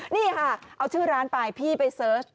นี่ค่ะเอาชื่อร้านไปพี่ไปเสิร์ช